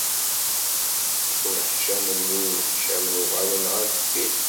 Seg uneḥcem nni i nneḥcamen, uɣalen ɣer deffir.